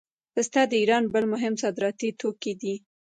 پسته د ایران بل مهم صادراتي توکی دی.